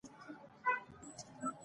د پښتو ژبې راتلونکی روښانه دی.